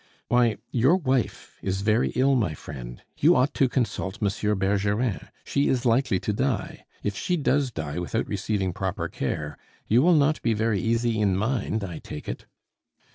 "Why, your wife is very ill, my friend. You ought to consult Monsieur Bergerin; she is likely to die. If she does die without receiving proper care, you will not be very easy in mind, I take it."